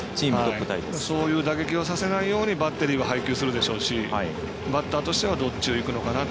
そういう打撃をさせないようにバッテリーは配球するでしょうしバッターとしてはどっちにいくかなと。